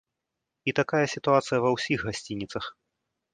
І такая сітуацыя ва ўсіх гасцініцах.